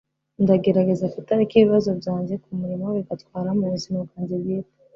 Ndagerageza kutareka ibibazo byanjye kumurimo bigatwara mubuzima bwanjye bwite